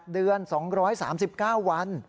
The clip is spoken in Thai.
เดือน๒๓๙วัน